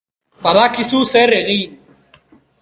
Badakizu zer egin